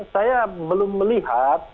saya belum melihat